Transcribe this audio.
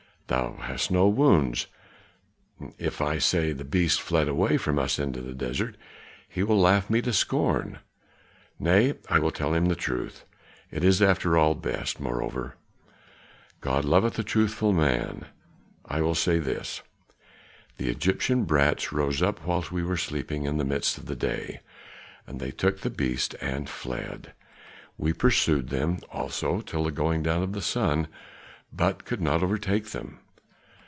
Thou hast no wounds.' If I say the beast fled away from us into the desert, he will laugh me to scorn. Nay, I will tell him the truth; it is after all best; moreover, God loveth a truthful man. I will say this; the Egyptian brats rose up whilst we were asleep in the midst of the day, and they took the beast and fled. We pursued them also till the going down of the sun, but could not overtake them."